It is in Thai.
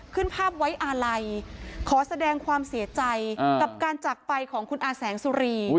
ขึ้นภาพไว้อาลัยขอแสดงความเสียใจกับการจักรไปของคุณอาแสงสุรี